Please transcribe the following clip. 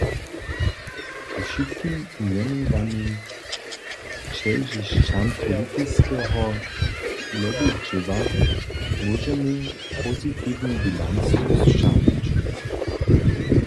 K wšitkim mjenowanym ćežišćam politiskeho lobby-dźěła móžemy pozitiwnu bilancu sćahnyć.